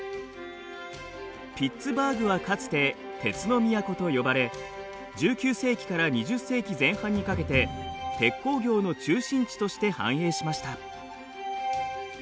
ピッツバーグはかつて鉄の都と呼ばれ１９世紀から２０世紀前半にかけて鉄鋼業の中心地として繁栄しました。